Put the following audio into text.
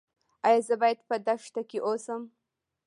ایا زه باید په دښته کې اوسم؟